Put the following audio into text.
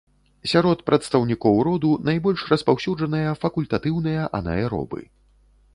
Сярод прадстаўнікоў роду найбольш распаўсюджаныя факультатыўныя анаэробы.